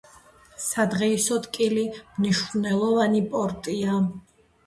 სადღეისოდ კილი მნიშვნელოვანი პორტია.